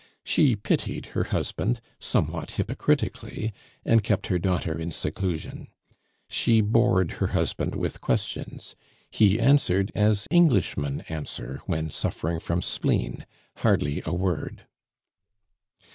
She pitied her husband, somewhat hypocritically, and kept her daughter in seclusion. She bored her husband with questions; he answered as Englishmen answer when suffering from spleen, hardly a word.